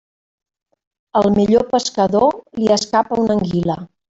Al millor pescador li escapa una anguila.